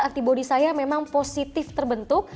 antibody saya memang positif terbentuk